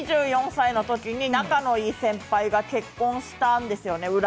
２４歳のときに仲のいい先輩が結婚したんですよね。